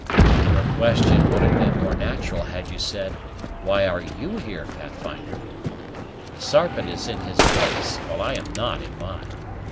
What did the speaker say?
"Your question would have been more natural had you said, Why are you here, Pathfinder? The Sarpent is in his place, while I am not in mine.